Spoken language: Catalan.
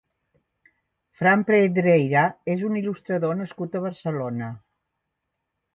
Fran Pedreira és un il·lustrador nascut a Barcelona.